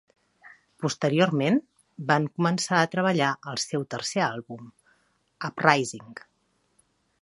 Posteriorment, van començar a treballar al seu tercer àlbum, "Uprising".